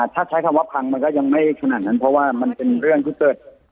ถ้าใช้คำว่าพังมันก็ยังไม่ขนาดนั้นเพราะว่ามันเป็นเรื่องที่เกิด